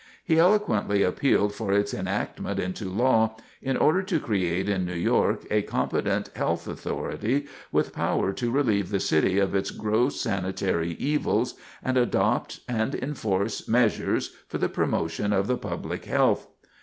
He eloquently appealed for its enactment into law, in order to create in New York a competent health authority, with power to relieve the city of its gross sanitary evils and adopt and enforce measures for the promotion of the public health.